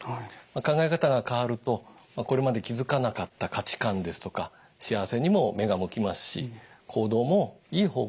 考え方が変わるとこれまで気づかなかった価値観ですとか幸せにも目が向きますし行動もいい方向に変化します。